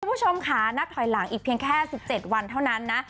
คุณผู้ชมค่ะนับถอยหลังอีกเพียงแค่๑๗วันเท่านั้นนะ